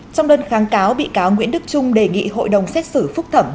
trong đơn kháng cáo bị cáo nguyễn đức trung đề nghị hội đồng xét xử phúc thẩm